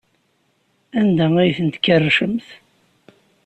Anda ay ten-tkerrcemt?